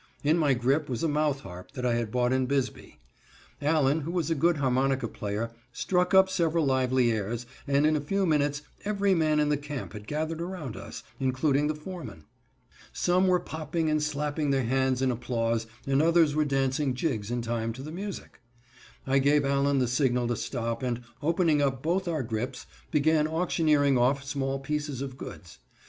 In my grip was a mouth harp that I had bought in Bisbee. Allen, who was a good harmonica player, struck up several lively airs, and in a few minutes every man in the camp had gathered around us, including the foreman. Some were popping and slapping their hands in applause, and others were dancing jigs in time to the music. I gave Allen the signal to stop and, opening up both our grips, began auctioneering off small pieces of goods.